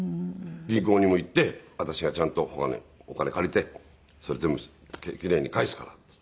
銀行にも行って「私がちゃんとお金借りてそれ全部奇麗に返すから」って言って。